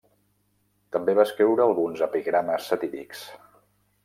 També va escriure alguns epigrames satírics.